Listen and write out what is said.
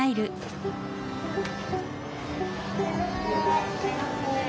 いらっしゃいませ。